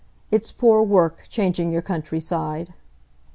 It's poor work, changing your country side."